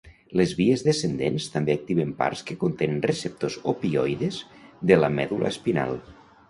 Les vies descendents també activen parts que contenen receptors opioides de la medul·la espinal.